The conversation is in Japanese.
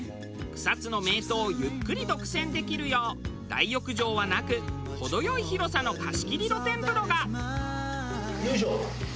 草津の名湯をゆっくり独占できるよう大浴場はなく程良い広さのよいしょ！